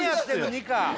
ニカ！